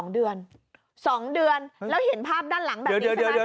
๒เดือน๒เดือนแล้วเห็นภาพด้านหลังแบบนี้ใช่ไหม